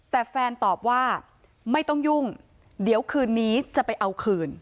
แต่แฟนตอบว่าไม่ต้องยุ่งเดี๋ยวคืนนี้จะไปเอาคืน